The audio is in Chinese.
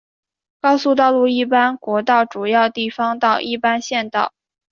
高速道路一般国道主要地方道一般县道